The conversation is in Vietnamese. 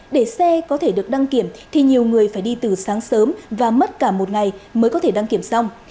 để xe có thể được đăng kiểm thì nhiều người phải đi từ sáng sớm và mất cả một ngày mới có thể đăng kiểm xong